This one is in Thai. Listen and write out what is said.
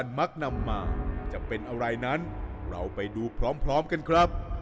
มักนำมาจะเป็นอะไรนั้นเราไปดูพร้อมกันครับ